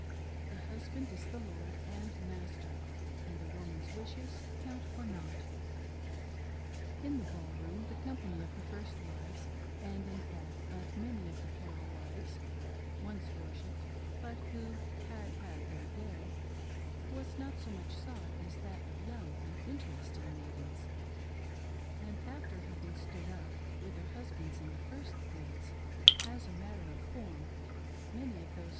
The husband is the lord and master, and a woman's wishes count for nought. In the ball room the company of the first wives and, in fact, of many of the plural wives, — once worshipped, but who " had had their day "— was not so much sought as that of young and interesting maidens ; and after having stood up with their • husbands in the first dance, as a matter, of form, many ot those 384 THE "WALLFLOWERS."